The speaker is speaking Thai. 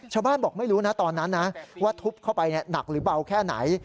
บอกไม่รู้นะตอนนั้นนะว่าทุบเข้าไปหนักหรือเบาแค่ไหน